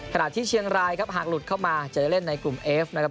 ขณะที่เชียงรายครับหากหลุดเข้ามาเจอเล่นในกลุ่มเอฟนะครับ